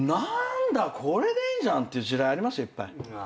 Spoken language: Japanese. これでいいんじゃんっていう地雷ありますよいっぱい。